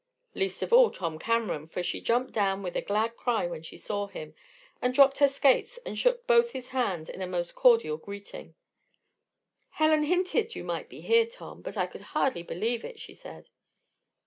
Least of all Tom Cameron, for she jumped down with a glad cry when she saw him, and dropped her skates and shook both his hands in a most cordial greeting. "Helen hinted that you might be here, Tom, but I could hardly believe it," she said.